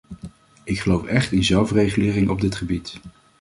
Ik geloof echt in zelfregulering op dit gebied.